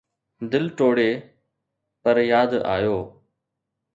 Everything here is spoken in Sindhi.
دل ٽوڙي، پر ياد آيو